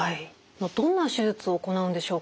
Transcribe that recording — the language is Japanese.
どんな手術を行うんでしょうか？